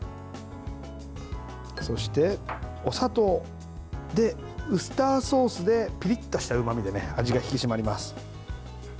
そして、お砂糖ウスターソースでピリッとしたうまみで味が引き締まります。